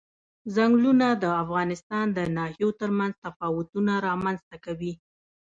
ځنګلونه د افغانستان د ناحیو ترمنځ تفاوتونه رامنځ ته کوي.